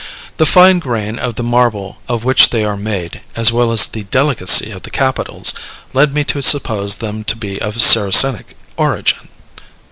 The fine grain of the marble of which they are made, as well as the delicacy of the capitals, led me to suppose them to be of Saracenic origin."